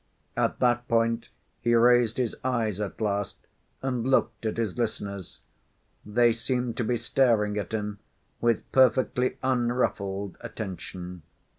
At that point he raised his eyes at last and looked at his listeners. They seemed to be staring at him with perfectly unruffled attention.